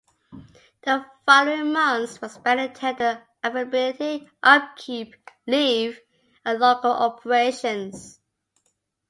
The following months were spent in tender availability, upkeep, leave and local operations.